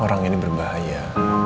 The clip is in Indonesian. orang ini berbahaya